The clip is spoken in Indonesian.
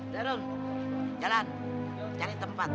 zarul jalan cari tempat